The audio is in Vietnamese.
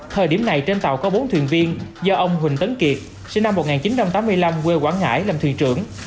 thời điểm này trên tàu có bốn thuyền viên do ông huỳnh tấn kiệt sinh năm một nghìn chín trăm tám mươi năm quê quảng ngãi làm thuyền trưởng